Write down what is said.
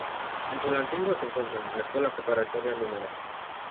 En Tulancingo se encuentran: La Escuela Preparatoria No.